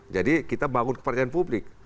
jadi kita bangun kepercayaan publik